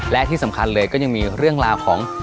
และที่สำคัญเลยก็ยังมีเรื่องราวของ